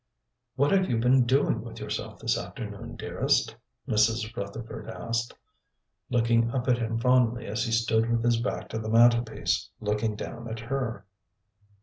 "What have you been doing with yourself this afternoon, dearest?" Mrs. Rutherford asked, looking up at him fondly, as he stood with his back to the mantelpiece, looking down at her.